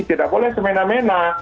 tidak boleh semena mena